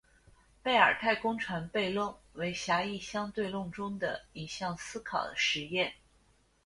贝尔太空船悖论为狭义相对论中的一项思考实验。